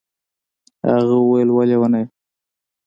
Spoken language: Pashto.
هغه وويل وه ليونيه.